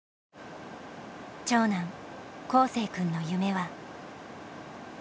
長男航世君の夢は。